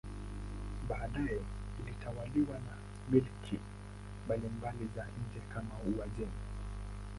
Baadaye ilitawaliwa na milki mbalimbali za nje kama Uajemi.